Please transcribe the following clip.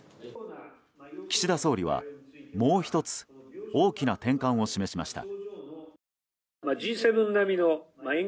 岸田総理は、もう１つ大きな転換を示しました。